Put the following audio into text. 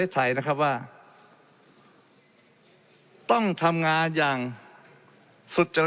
และมีผลกระทบไปทุกสาขาอาชีพชาติ